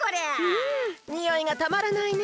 んにおいがたまらないね。